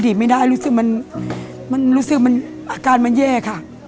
ดินไม่ได้รู้สึกอาการมันเย่ค่ะ